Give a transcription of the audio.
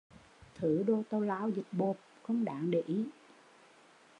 Thứ đồ tào lao dịch bộp không đáng để ý